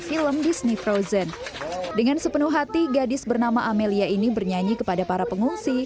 film disney frozen dengan sepenuh hati gadis bernama amelia ini bernyanyi kepada para pengungsi